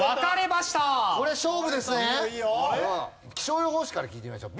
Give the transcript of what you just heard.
気象予報士から聞いてみましょう。